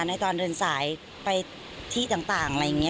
ในตอนเดินสายไปที่ต่างอะไรอย่างนี้